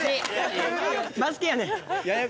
今回バスケやねん。